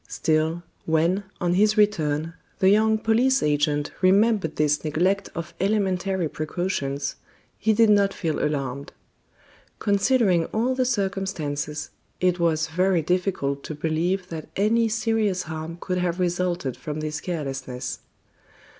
Still, when, on his return, the young police agent remembered this neglect of elementary precautions, he did not feel alarmed. Considering all the circumstances, it was very difficult to believe that any serious harm could have resulted from this carelessness.